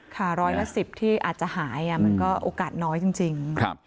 ค่าร้อยกว่าสิบที่อาจจะหายมันก็โอกาสน้อยจริง